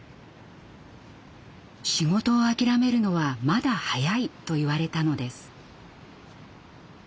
「仕事を諦めるのはまだ早い」と言われたのです。